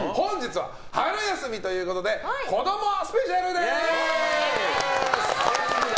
春休みということで子どもスペシャルです。